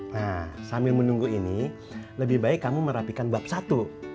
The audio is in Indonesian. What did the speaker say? nah sambil menunggu ini lebih baik kamu merapikan bab satu